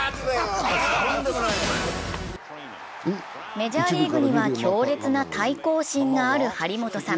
メジャーリーグには強烈な対抗心がある張本さん。